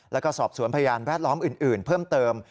แล้วก็สอบสวนพยานแวดล้อมอื่นเพิ่มเติม